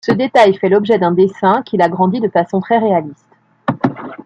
Ce détail fait l'objet d'un dessin qui l'agrandit de façon très réaliste.